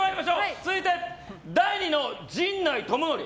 続いて、第二の陣内智則。